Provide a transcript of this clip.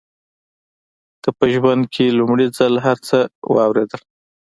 هغه په ژوند کې لومړي ځل هر څه واورېدل.